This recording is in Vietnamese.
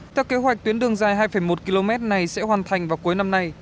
theo kế hoạch tuyến đường dài hai một km này sẽ hoàn thành vào cuối năm nay